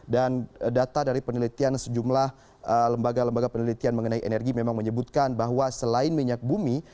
dan data dari penelitian sejumlah lembaga lembaga penelitian mengenai energi memang menyebutkan bahwa selain minyak bumi